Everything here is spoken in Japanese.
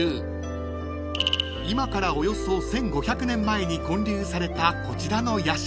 ［今からおよそ１，５００年前に建立されたこちらの社］